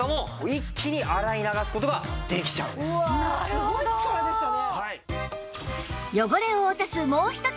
すごい力でしたね！